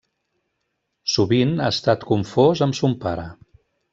Sovint ha estat confós amb son pare.